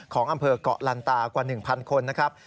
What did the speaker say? ของอำเภอกเกาะลันตากว่า๑๐๐คนนะครับ